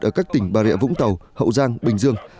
ở các tỉnh bà rịa vũng tàu hậu giang bình dương